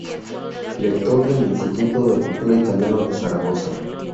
Director del Instituto de Cultura Italiano de Zaragoza.